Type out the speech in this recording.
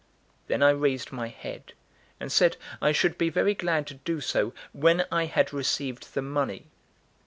Then I raised my head, and said I should be very glad to do so when I had received the money.